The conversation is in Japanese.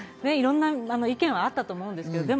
いろんな意見はあったと思うんです。